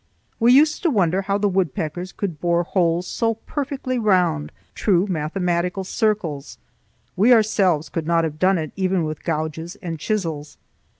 We used to wonder how the woodpeckers could bore holes so perfectly round, true mathematical circles. We ourselves could not have done it even with gouges and chisels.